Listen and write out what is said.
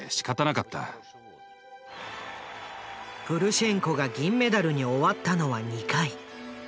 プルシェンコが銀メダルに終わったのは２回。